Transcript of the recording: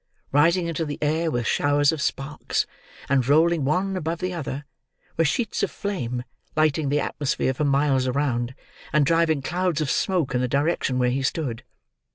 Rising into the air with showers of sparks, and rolling one above the other, were sheets of flame, lighting the atmosphere for miles round, and driving clouds of smoke in the direction where he stood.